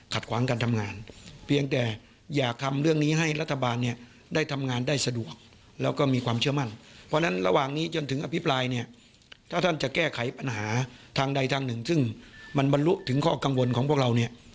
ฟังเสียงคุณสุธินคลังแสงค่ะ